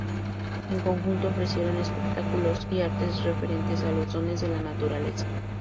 En conjunto ofrecieron espectáculos y artes referentes a Los dones de la naturaleza.